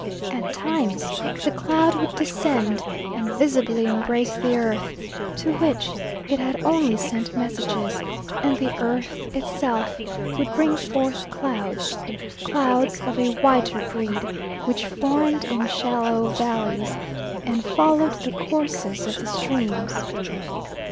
At times the cloud would descend and visibly embrace the earth, to which it had only sent messages; and the earth itself would bring forth clouds clouds of a whiter breed which formed in shallow valleys and followed the courses of the streams.